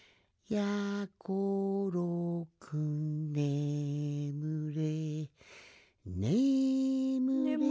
「やころくん」「ねむれ」